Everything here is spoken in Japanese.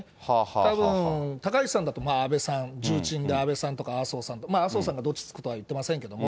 たぶん、高市さんだと安倍さん、重鎮で安倍さんとか麻生さんとか。麻生さんがどっちつくとは言ってませんけれども。